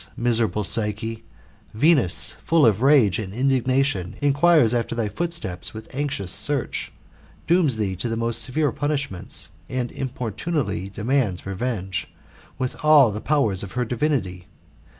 miserable Psyche, Venus, full of rage and indignation, inquires after thy footsteps with anxious search, dooms thee to the most severe punishment, and importunately demands revenge, with OCr.D£N ASS, or 4|>VI^B|<IS. ^900K VI. ' ^9 a}l tj^e powpc^ of ^ diyii^ty.